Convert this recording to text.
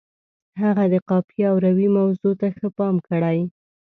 هغه د قافیې او روي موضوع ته ښه پام کړی.